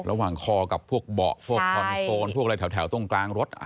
ระหว่างคอกับพวกเบาะพวกคอนโซนพวกอะไรแถวตรงกลางรถ